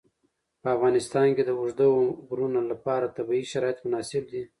په افغانستان کې د اوږده غرونه لپاره طبیعي شرایط مناسب دي.